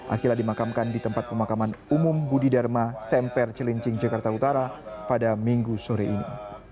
akila dimakamkan di tempat pemakaman umum budi dharma semper celincing jakarta utara pada minggu sore ini